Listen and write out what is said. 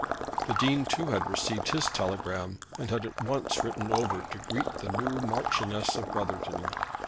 The Dean too had received his telegram, and had at once ridden over to greet the new Marchioness of Brotherton.